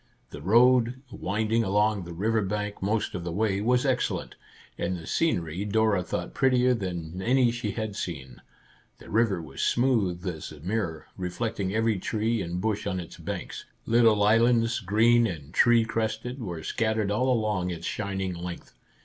The road, winding along the river bank most of the the way, was excellent, and the scenery Dora Our Little Canadian Cousin 33 thought prettier than any she had seen. The river was smooth as a mirror, reflecting every tree and bush on its banks. Little islands, green and tree crested, were scattered all along its shining length.